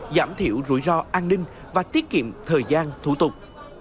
giảm thiểu rủi ro an ninh và tiết kiệm thời gian thủ tục